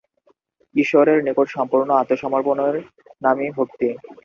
ঈশ্বরের নিকট সম্পূর্ণ আত্মসমর্পণের নামই ভক্তি।